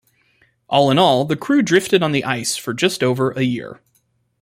All in all the crew drifted on the ice for just over a year.